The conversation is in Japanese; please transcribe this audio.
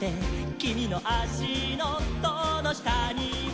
「きみのあしのそのしたには」